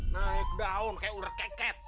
naik daun kayak udah keket